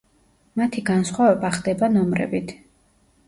მათი განსხვავება ხდება ნომრებით.